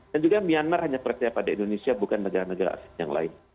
dan juga myanmar hanya percaya pada indonesia bukan negara negara yang lain